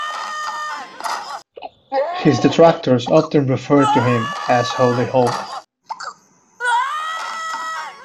His detractors often referred to him as Holy Homer.